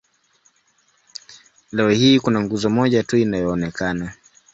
Leo hii kuna nguzo moja tu inayoonekana.